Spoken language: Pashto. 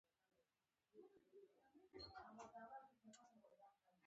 تاسي باید پر هغوی له بلې خوا حمله وکړئ.